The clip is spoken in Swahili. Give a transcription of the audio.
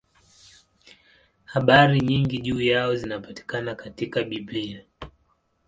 Habari nyingi juu yao zinapatikana katika Biblia.